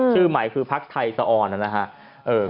ชื่อใหม่คือพักไทยสะออนนะครับ